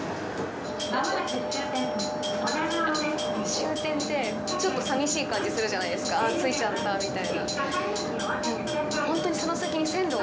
“終点”ってちょっと寂しい感じがするじゃないですか、あぁ、着いちゃったみたいな。